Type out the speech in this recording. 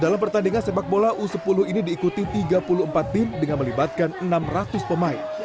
dalam pertandingan sepak bola u sepuluh ini diikuti tiga puluh empat tim dengan melibatkan enam ratus pemain